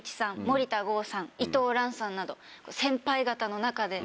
森田剛さん伊藤蘭さんなど先輩方の中で。